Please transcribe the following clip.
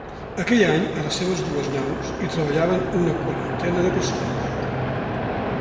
Aquell any, a les seves dues naus hi treballaven una quarantena de persones.